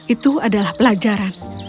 itu adalah pelajaran